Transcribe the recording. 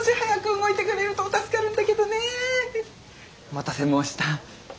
お待たせ申した。